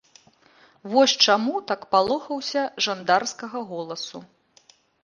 Вось чаму так палохаўся жандарскага голасу.